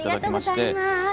ありがとうございます。